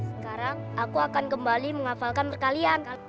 sekarang aku akan kembali menghafalkan perkalian